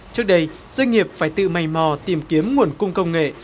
trước đây doanh nghiệp phải tự mây mò tìm kiếm nguồn cung công nghệ